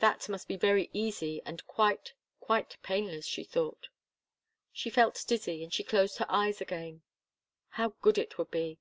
That must be very easy and quite, quite painless, she thought. She felt dizzy, and she closed her eyes again. How good it would be!